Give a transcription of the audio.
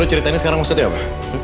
lo ceritain sekarang maksudnya apa